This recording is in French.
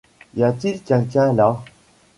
Y a-t-il quelqu’un là?